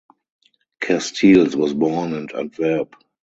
Casteels was born in Antwerp.